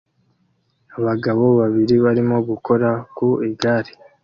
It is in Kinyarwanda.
Abagabo babiri barimo gukora ku igare